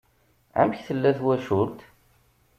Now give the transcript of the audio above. Amek tella twacult?